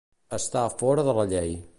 Estar fora de la llei.